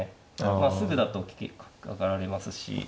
まあすぐだと上がられますし